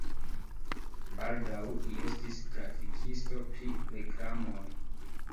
Baldaŭ li estis grafikisto pri reklamoj.